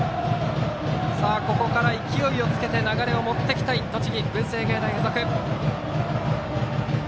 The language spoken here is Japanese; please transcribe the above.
ここから勢いをつけて流れを持っていきたい栃木・文星芸大付属。